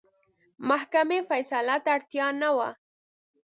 محکمې فیصلې ته اړتیا نه وه.